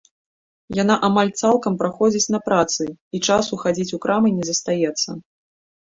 Яна амаль цалкам праходзіць на працы, і часу хадзіць у крамы не застаецца.